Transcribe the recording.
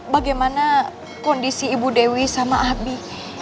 bagaimana kondisi ibu dewi sama abi